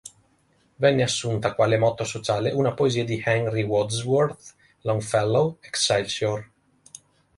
Venne assunta quale motto sociale una poesia di Henry Wadsworth Longfellow: "Excelsior!